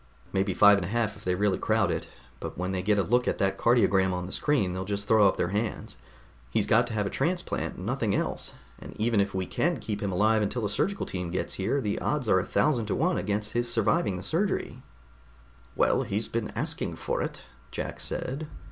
"Maybe five and a half if they really crowd it. But when they get a look at that cardiogram on the screen they'll just throw up their hands. He's got to have a transplant, nothing less, and even if we can keep him alive until a surgical team gets here the odds are a thousand to one against his surviving the surgery." "Well, he's been asking for it," Jack said.